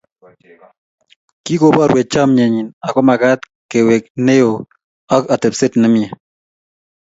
Kikoborwech chamenyi akomakaat kewek neyo ak atbset nemie